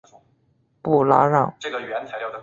布拉让。